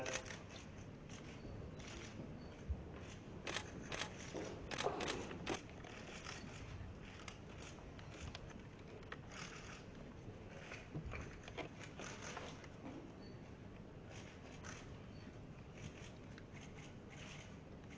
สิ่งที่โดยเวลาเสียใจว่าให้พราชาพริกมีบริษัทที่เราอยู่